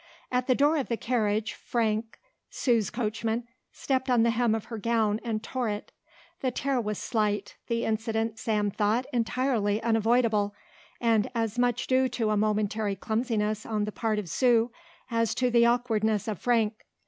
At the door of the carriage Frank, Sue's coachman, stepped on the hem of her gown and tore it. The tear was slight, the incident Sam thought entirely unavoidable, and as much due to a momentary clumsiness on the part of Sue as to the awkwardness of Frank.